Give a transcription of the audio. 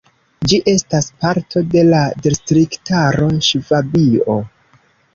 Ĝi estas parto de la distriktaro Ŝvabio.